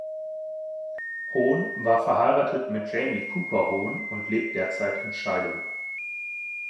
Hohn war verheiratet mit Jamie Cooper-Hohn und lebt derzeit in Scheidung.